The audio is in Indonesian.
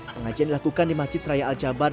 pengajian dilakukan di masjid raya al jabar